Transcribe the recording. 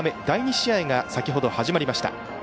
第２試合が先ほど始まりました。